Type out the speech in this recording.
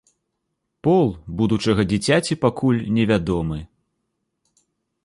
Пол будучага дзіцяці пакуль невядомы.